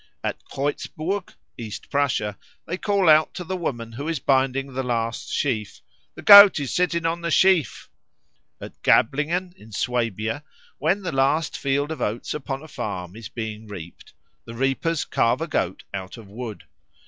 At Kreutzburg, East Prussia, they call out to the woman who is binding the last sheaf, "The Goat is sitting in the sheaf." At Gablingen, in Swabia, when the last field of oats upon a farm is being reaped, the reapers carve a goat out of wood.